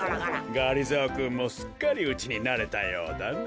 がりぞーくんもすっかりうちになれたようだね。